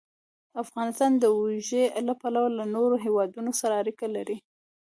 افغانستان د اوړي له پلوه له نورو هېوادونو سره اړیکې لري.